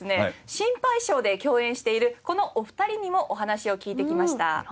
『シンパイ賞！！』で共演しているこのお二人にもお話を聞いてきました。